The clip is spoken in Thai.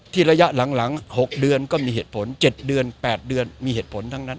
ระยะหลัง๖เดือนก็มีเหตุผล๗เดือน๘เดือนมีเหตุผลทั้งนั้น